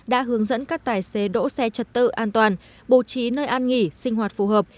đã hướng dẫn các tài xế đỗ xe trật tự an toàn bố trí nơi an nghỉ sinh hoạt phù hợp